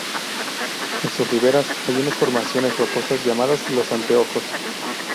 En sus riberas hay unas formaciones rocosas llamadas "los anteojos".